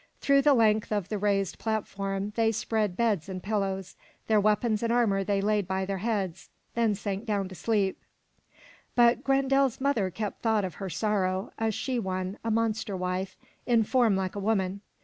Through the length of the raised plat form, they spread beds and pillows. Their weapons and armor they laid by their heads, then sank down to sleep. But GrendeFs mother kept thought of her sorrow, a she one, a monster wife, in form like a woman.